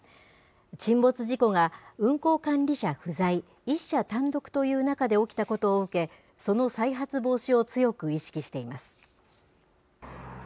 沈没事故が運航管理者不在、１社単独という中で起きたことを受け、その再発防止を強く意識しています。